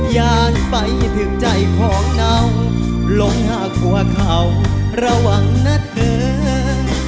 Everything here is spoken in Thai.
ยานไปถึงใจของเราลงหากหัวเข่าระวังนะเถิน